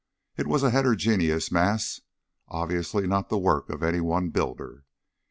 It was a heterogeneous mass, obviously not the work of any one builder.